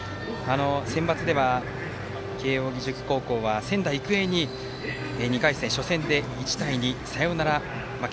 センバツでは、慶応義塾高校は仙台育英に２回戦、初戦で１対２、サヨナラ負け。